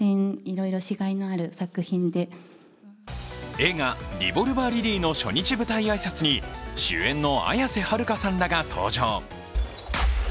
映画「リボルバー・リリー」の初日舞台挨拶に主演の綾瀬はるかさんらが登場。